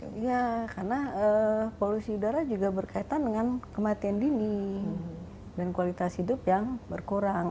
iya karena polusi udara juga berkaitan dengan kematian dini dan kualitas hidup yang berkurang